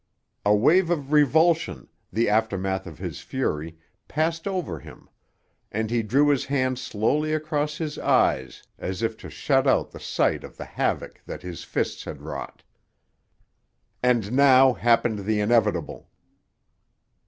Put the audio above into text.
A wave of revulsion, the aftermath of his fury, passed over him, and he drew his hand slowly across his eyes as if to shut out the sight of the havoc that his fists had wrought. And now happened the inevitable.